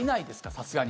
さすがに。